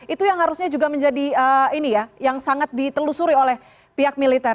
itu yang harusnya juga menjadi ini ya yang sangat ditelusuri oleh pihak militer